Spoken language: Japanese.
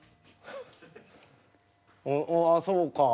あああそうか。